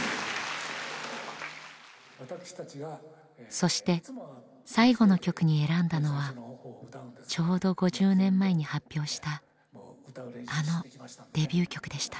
そして最後の曲に選んだのはちょうど５０年前に発表したあのデビュー曲でした。